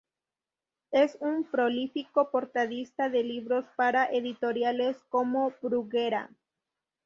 Es un prolífico portadista de libros para editoriales como Bruguera.